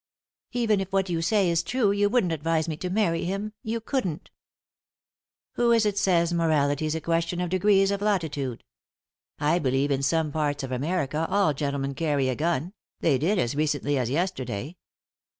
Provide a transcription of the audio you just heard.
"Even if what you say is true, you wouldn't advise me to marry him— you couldn't 1 "" Who is it says morality's a question of degrees of latitude ? I believe in some parts of America all gentlemen carry a gun ; they did as recently as yesterday.